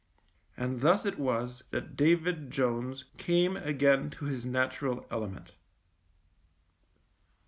And thus it was that David Jones came again to his natural element.